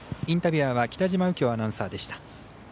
インタビューアーは北嶋右京アナウンサーでした。